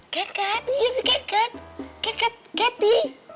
keket iya si keket keket kety